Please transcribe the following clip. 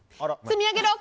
積み上げろ！